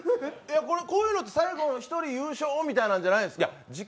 こういうのって最後の１人優勝みたいなんじゃないですか？